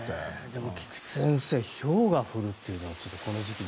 でも菊地先生ひょうが降るのはちょっとこの時期。